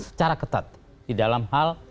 secara ketat di dalam hal